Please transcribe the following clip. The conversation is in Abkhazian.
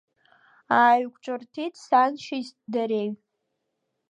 Ааиқәҿырҭит саншьеи дареи.